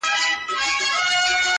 فقير نه يمه سوالگر دي اموخته کړم,